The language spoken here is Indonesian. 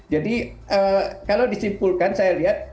jadi kalau disimpulkan saya lihat